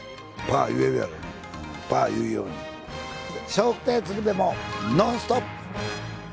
笑福亭鶴瓶も「ノンストップ！」。